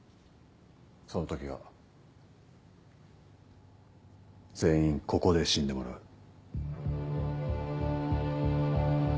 そのときは全員ここで死んでもらう。